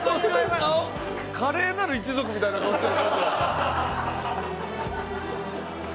『華麗なる一族』みたいな顔してる。